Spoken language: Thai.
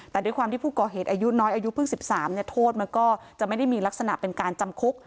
แต่ด้วยความที่ผู้ก่อเหตุอายุน้อยอายุเพิ่ง๑๓โทษมันก็จะไม่ได้มีลักษณะเป็นการจำคุก